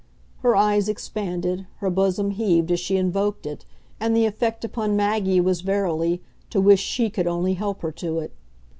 Her eyes expanded, her bosom heaved as she invoked it, and the effect upon Maggie was verily to wish she could only help her to it.